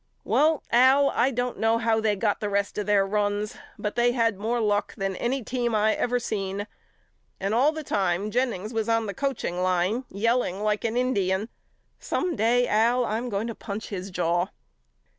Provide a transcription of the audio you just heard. Well Al I don't know how they got the rest of their runs but they had more luck than any team I ever seen. And all the time Jennings was on the coaching line yelling like a Indian. Some day Al I'm going to punch his jaw.